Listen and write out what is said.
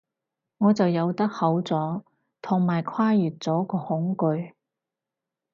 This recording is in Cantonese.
我就游得好咗，同埋跨越咗個恐懼